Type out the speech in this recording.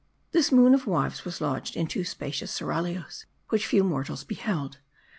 This Moon of "wives was lodged in two spacious seraglios, which few mortals beheld.